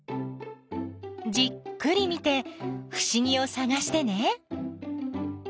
じっくり見てふしぎをさがしてね。